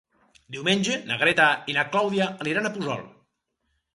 Diumenge na Greta i na Clàudia aniran a Puçol.